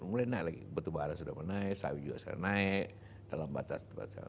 mulai naik lagi batu bara sudah menaik sawit juga sudah naik dalam batas